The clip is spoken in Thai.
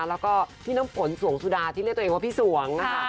แล้วก็พี่น้ำฝนสวงสุดาที่เรียกตัวเองว่าพี่สวงนะคะ